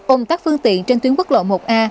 ôm các phương tiện trên tuyến quốc lộ một a